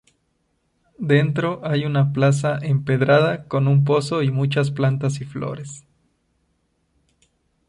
Dentro hay una plaza empedrada con un pozo y muchas plantas y flores.